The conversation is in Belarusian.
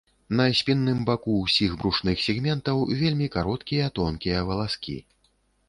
На спінным баку ўсіх брушных сегментаў вельмі кароткія, тонкія валаскі.